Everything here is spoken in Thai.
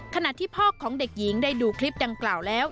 ขณะที่พ่อของเด็กหญิงได้ดูคลิปดังกล่าวแล้ว